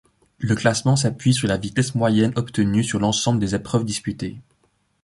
Le classement s'appuie sur la vitesse moyenne obtenue sur l'ensemble des épreuves disputées.